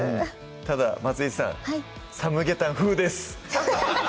ただ松井さん「サムゲタン風」ですあっ